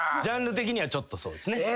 ジャンル的にはちょっとそうですね。